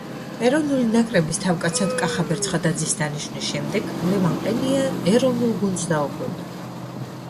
ეროვნული ნაკრების თავკაცად კახაბერ ცხადაძის დანიშნვის შემდეგ, ლევან ყენია ეროვნულ გუნდს დაუბრუნდა.